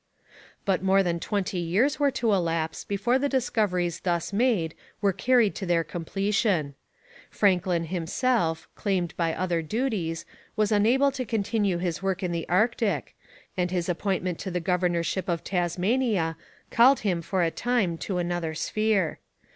But more than twenty years were to elapse before the discoveries thus made were carried to their completion. Franklin himself, claimed by other duties, was unable to continue his work in the Arctic, and his appointment to the governorship of Tasmania called him for a time to another sphere.